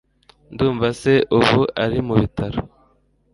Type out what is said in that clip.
Ndumva se ubu ari mubitaro